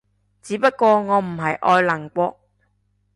只不過我唔係愛鄰國